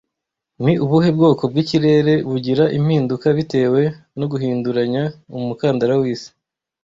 Ni ubuhe bwoko bw'ikirere bugira impinduka bitewe no guhinduranya umukandara w'isi